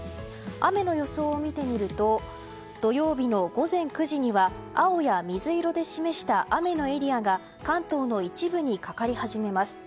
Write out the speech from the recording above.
雨の予想を見てみると土曜日の午前９時には青や水色で示した雨のエリアが関東の一部にかかり始めます。